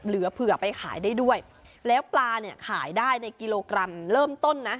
เหลือเผื่อไปขายได้ด้วยแล้วปลาเนี่ยขายได้ในกิโลกรัมเริ่มต้นนะ